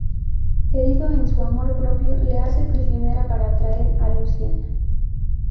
Herido en su amor propio la hace prisionera para atraer a Lucian.